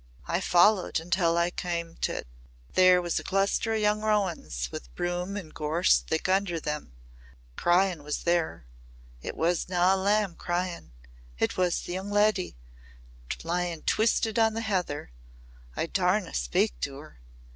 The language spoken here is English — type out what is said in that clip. "I followed until I cam' to it. There was a cluster o' young rowans with broom and gorse thick under them. The cryin' was there. It was na a lamb cryin'. It was the young leddy lyin' twisted on the heather. I daurna speak to her.